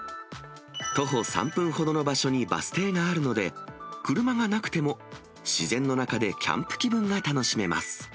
徒歩３分ほどの場所にバス停があるので、車がなくても自然の中でキャンプ気分が楽しめます。